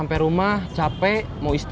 minuman untuk mati